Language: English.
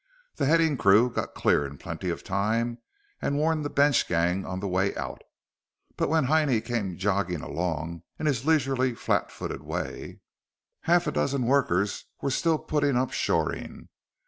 The heading crew got clear in plenty of time and warned the bench gang on the way out; but when Heinie came jogging along in his leisurely flat footed way, half a dozen workers were still putting up shoring.